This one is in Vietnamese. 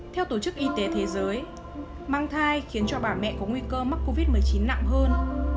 theo tổ chức y tế thế giới mang thai khiến cho bà mẹ có nguy cơ mắc covid một mươi chín nặng hơn